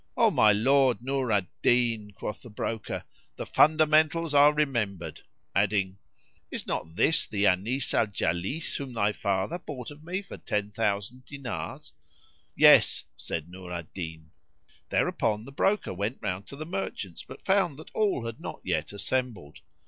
"O my lord Nur al Din," quoth the broker, "the fundamentals are remembered;"[FN#30] adding, "Is not this the Anis al Jalis whom thy father bought of me for ten thousand dinars?" "Yes," said Nur al Din. Thereupon the broker went round to the merchants, but found that all had not yet assembled.